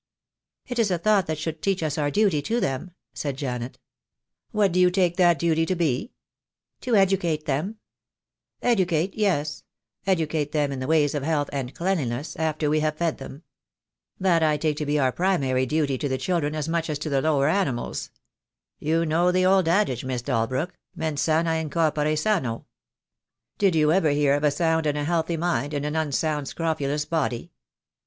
"It is a thought that should teach us our duty to them," said Janet. "What do you take that duty to be?" I56 THE DAY WILL COME. "To educate them!" "Educate — yes — educate them in the ways of health and cleanliness — after we have fed them. That I take to be our primary duty to the children as much as to the lower animals. You know the old adage, Miss Dal brook, mens sana in corpore sano. Did you ever hear of a sound and healthy mind in an unsound scrofulous body?